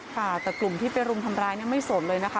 ค่ะแต่กลุ่มที่ไปรุมทำร้ายเนี่ยไม่สนเลยนะคะ